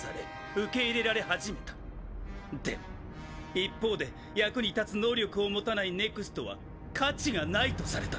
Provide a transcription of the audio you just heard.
一方で役に立つ能力を持たないＮＥＸＴは価値が無いとされた。